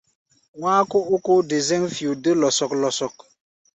Wá̧á̧ kó ó ókó-de-zɛ̌ŋ-fio dé lɔsɔk-lɔsɔk.